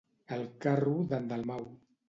El carro d'en Dalmau.